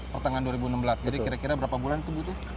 pertengahan dua ribu enam belas jadi kira kira berapa bulan itu butuh